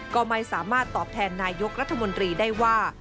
ก็ไม่สามารถตอบแทนนายกรัฐมนตรีได้ว่า